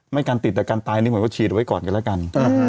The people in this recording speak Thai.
ไม่การติดแต่การตายนึงเหมือนว่าชีดไว้ก่อนก็แล้วกัน